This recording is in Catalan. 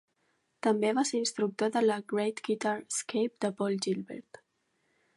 També va ser instructor de la Great Guitar Escape de Paul Gilbert.